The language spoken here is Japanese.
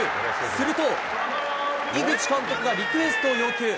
すると、井口監督がリクエストを要求。